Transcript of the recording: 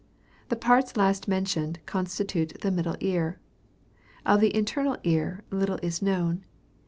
The parts last mentioned constitute the middle ear. Of the internal ear little is known.